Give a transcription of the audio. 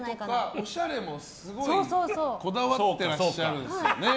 おしゃれもすごい、こだわっていらっしゃるんですよね。